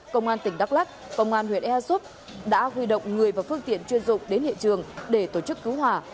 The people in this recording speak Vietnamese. công an tỉnh đắk lắc công an huyện ea súp đã huy động người và phương tiện chuyên dụng đến hiện trường để tổ chức cứu hỏa